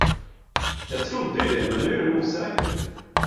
Jag trodde ju det, men nu gör du mig osäker.